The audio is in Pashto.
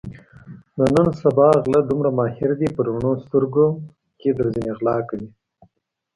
د نن سبا غله دومره ماهر دي په رڼو سترګو کې درځنې غلا کوي.